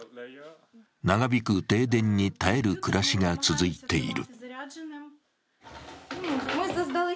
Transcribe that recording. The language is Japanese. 長引く停電に耐える暮らしが続いている。